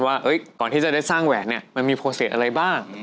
ว่าก่อนที่จะได้สร้างแหวนมันมีประสิทธิ์อะไรบ้าง